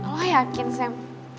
lo yakin sam